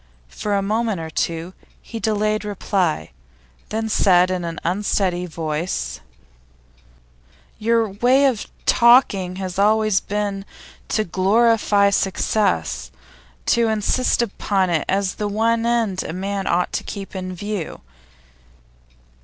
For a moment or two he delayed reply, then said in an unsteady voice: 'Your way of talking has always been to glorify success, to insist upon it as the one end a man ought to keep in view.